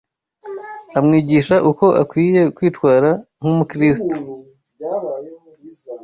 amwigisha uko akwiye kwitwara nkumu kristo